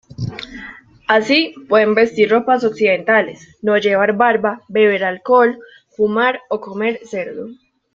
Así pueden vestir ropas occidentales, no llevar barba, beber alcohol, fumar o comer cerdo.